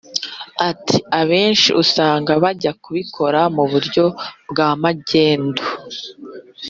Ati abenshi usanga bajya kubikora muburyo bwa magendu